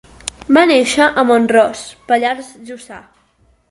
Va néixer a Mont-ros, Pallars Jussà.